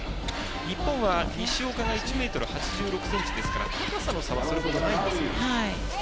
日本は西岡が１ｍ８６ｃｍですから高さの差はそれほどないんですね。